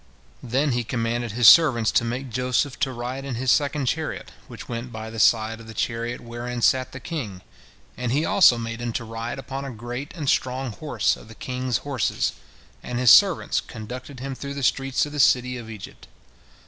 Then he commanded his servants to make Joseph to ride in his second chariot, which went by the side of the chariot wherein sat the king, and he also made him to ride upon a great and strong horse of the king's horses, and his servants conducted him through the streets of the city of Egypt.